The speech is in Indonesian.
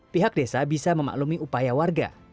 pihak desa bisa memaklumi upaya warga